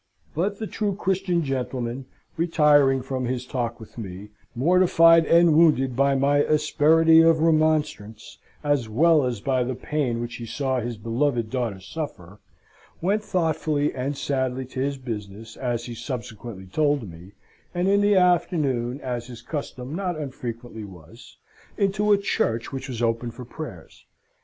But the true Christian gentleman, retiring from his talk with me, mortified and wounded by my asperity of remonstrance, as well as by the pain which he saw his beloved daughter suffer, went thoughtfully and sadly to his business, as he subsequently told me, and in the afternoon (as his custom not unfrequently was) into a church which was open for prayers.